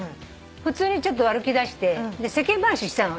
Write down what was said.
普通にちょっと歩きだして世間話してたの野鳥の会の方と。